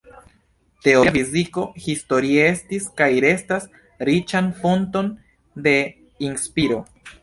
Teoria fiziko historie estis, kaj restas, riĉan fonton de inspiro.